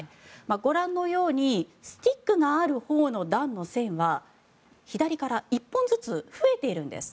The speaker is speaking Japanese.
ご覧のようにスティックがあるほうの段の線は左から１本ずつ増えているんです。